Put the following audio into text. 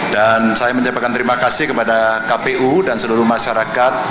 dan saya menyebabkan terima kasih kepada kpu dan seluruh masyarakat